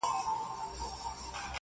نه په کار مي دی معاش نه منصب او نه مقام.